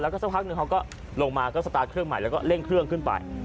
แล้วก็สักพักหนึ่งเขาก็ลงมาก็สตาร์ทเครื่องใหม่แล้วก็เร่งเครื่องขึ้นไป